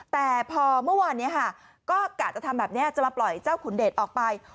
แต่พอเมื่อวานนี้ค่ะก็กะจะทำแบบนี้จะมาปล่อยเจ้าขุนเดชออกไป